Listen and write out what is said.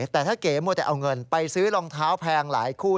แต่ถ้าเก๋มัวแต่เอาเงินไปซื้อรองเท้าแพงหลายคู่